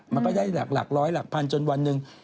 มันก็ได้หลักร้อยหลักพันจนวันหนึ่ง